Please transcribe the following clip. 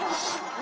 何？